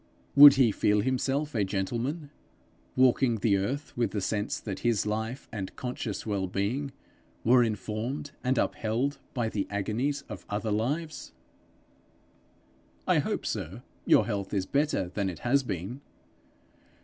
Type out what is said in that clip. Would he feel himself a gentleman walking the earth with the sense that his life and conscious well being were informed and upheld by the agonies of other lives? 'I hope, sir, your health is better than it has been?'